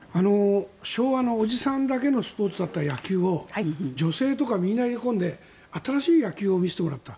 昭和のおじさんだけのスポーツだった野球を女性とかみんなを巻き込んで新しい野球を見せてもらった。